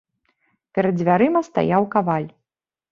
Перад дзвярыма стаяў каваль.